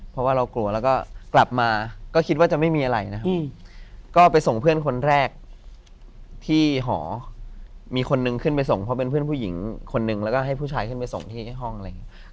เพราะว่าเรากลัวแล้วก็กลับมาก็คิดว่าจะไม่มีอะไรนะครับก็ไปส่งเพื่อนคนแรกที่หอมีคนนึงขึ้นไปส่งเพราะเป็นเพื่อนผู้หญิงคนนึงแล้วก็ให้ผู้ชายขึ้นไปส่งที่ห้องอะไรอย่างนี้